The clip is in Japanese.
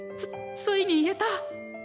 ついに言えた！